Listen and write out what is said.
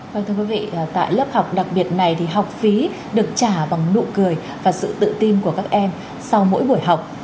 vâng thưa quý vị tại lớp học đặc biệt này thì học phí được trả bằng nụ cười và sự tự tin của các em sau mỗi buổi học